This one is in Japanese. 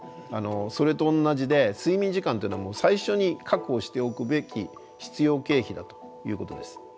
それと同じで睡眠時間っていうのは最初に確保しておくべき必要経費だということです。